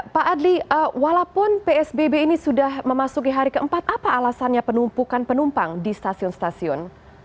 pak adli walaupun psbb ini sudah memasuki hari keempat apa alasannya penumpukan penumpang di stasiun stasiun